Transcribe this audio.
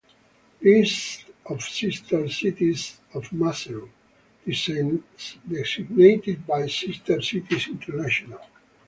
List of sister cities of Maseru, designated by Sister Cities International.